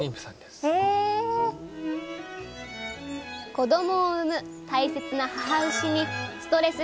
子どもを産む大切な母牛にストレス